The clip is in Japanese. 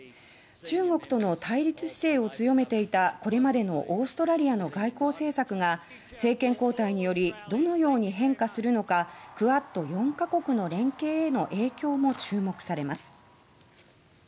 中国との対立姿勢を強めていたこれまでのオーストラリアの外交政策が政権交代によりどのように変化するのかクアッド４か国の連携への影響も注目されます。